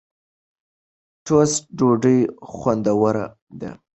ټوسټ ډوډۍ خوندوره ده.